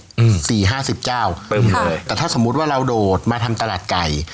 อืมสี่ห้าสิบเจ้าตึ้มเลยแต่ถ้าสมมุติว่าเราโดดมาทำตลาดไก่